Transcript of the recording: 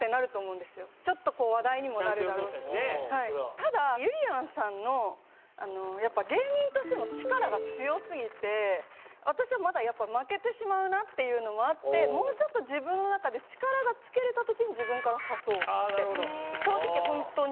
ただゆりやんさんのやっぱ芸人としての力が強すぎて私はまだやっぱ負けてしまうなっていうのもあってもうちょっと自分の中で力がつけれた時に自分から誘おうって正直ホントに。